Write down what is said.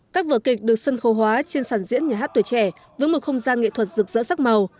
các vở kịch được sân khâu hóa trên sàn diễn nhà hát tuổi trẻ với một không gian nghệ thuật rực rỡ sắc màu